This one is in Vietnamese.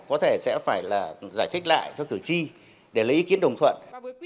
có thể sẽ phải là giải thích lại cho cử tri để lấy ý kiến đồng thuận